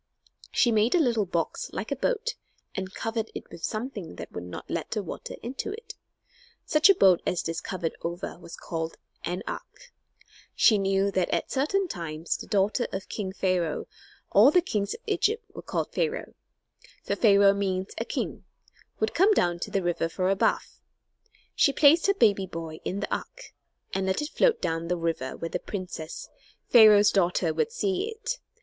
She made a little box like a boat and covered it with something that would not let the water into it. Such a boat as this covered over was called "an ark." She knew that at certain times the daughter of king Pharaoh all the kings of Egypt were called Pharaoh, for Pharaoh means a king would come down to the river for a bath. She placed her baby boy in the ark, and let it float down the river where the princess, Pharaoh's daughter, would see it.